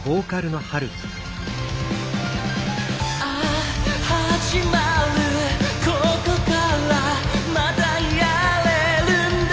「ＡＨ始まる此処からまたやれるんだ」